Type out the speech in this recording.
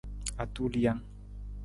Atulijang.